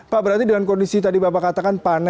pak berarti dengan kondisi tadi bapak katakan panen raya